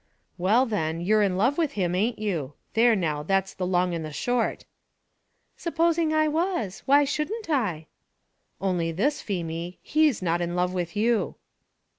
"Well then; you're in love with him, ain't you? there now, that's the long and the short." "Supposing I was, why shouldn't I?" "Only this, Feemy, he's not in love with you."